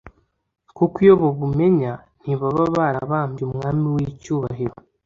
kuko iyo babumenya, ntibaba barabambye Umwami w’icyubahiro.